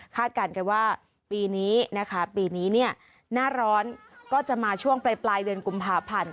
การกันว่าปีนี้นะคะปีนี้เนี่ยหน้าร้อนก็จะมาช่วงปลายเดือนกุมภาพันธ์